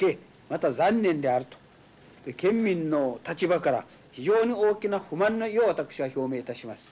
また残念であると県民の立場から非常に大きな不満の意を私は表明いたします。